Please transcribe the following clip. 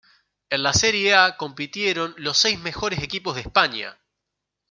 En la "Serie A" compitieron los seis mejores equipos de España.